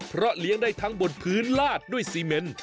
เพราะเลี้ยงได้ทั้งบนพื้นลาดด้วยซีเมน